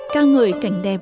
ca ngợi cảnh đẹp